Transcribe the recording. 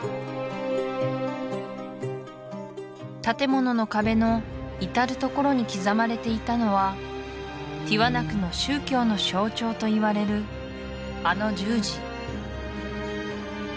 建物の壁のいたるところに刻まれていたのはティワナクの宗教の象徴といわれるあの十字